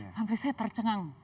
sampai saya tercengang